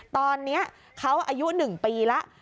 ตอนนี้เขาอายุ๑ปีแล้ว